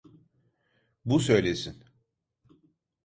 Bu söylesin